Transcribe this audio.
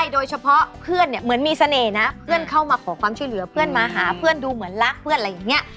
โดยเฉพาะเพื่อนเนี่ยเหมือนมีเสน่ห์นะเพื่อนเข้ามาขอความช่วยเหลือเพื่อนมาหาเพื่อนดูเหมือนรักเพื่อนอะไรอย่างนี้